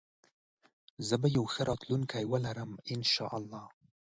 زه به يو ښه راتلونکي ولرم انشاالله